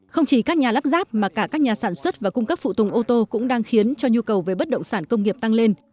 không chỉ các nhà lắp ráp mà cả các nhà sản xuất và cung cấp phụ tùng ô tô cũng đang khiến cho nhu cầu về bất động sản công nghiệp tăng lên